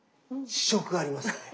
試食がありますので。